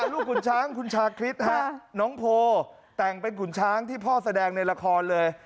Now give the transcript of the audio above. ลูกคุณช้างคุณชาคริสฮะน้องโพแต่งเป็นขุนช้างที่พ่อแสดงในละครเลย